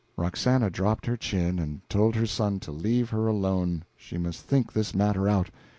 Roxana dropped her chin, and told her son to leave her alone she must think this matter out.